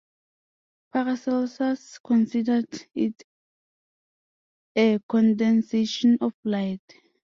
Paracelsus considered it a condensation of light.